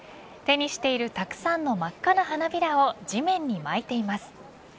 手にしているたくさんの真っ赤な花びらを地面にまいています。